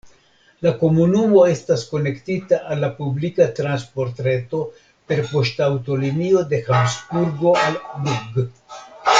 La komunumo estas konektita al la publika transportreto per poŝtaŭtolinio de Habsburgo al Brugg.